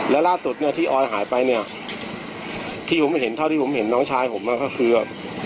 และล่าสุดเนี่ยที่ออยหายไปเนี่ยที่ผมเห็นเท่าที่ผมเห็นน้องชายผมก็คือ